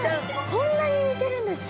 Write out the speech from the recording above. こんなに似てるんですか？